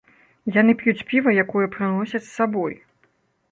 Яны п'юць піва, якое прыносяць з сабой.